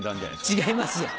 違いますよ